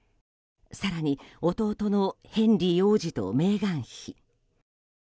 更に弟のヘンリー王子とメーガン妃